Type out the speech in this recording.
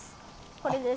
これです。